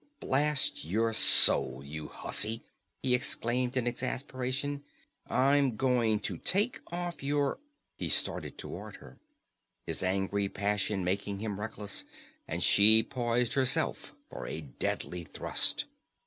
"Blast your soul, you hussy!" he exclaimed in exasperation. "I'm going to take off your " He started toward her, his angry passion making him reckless, and she poised herself for a deadly thrust.